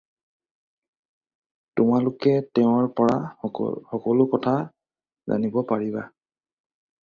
তোমালোকে তেওঁৰ পৰা সকলো কথা জানিব পাৰিবা।